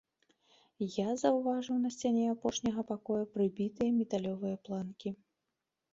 Я заўважыў на сцяне апошняга пакоя прыбітыя металёвыя планкі.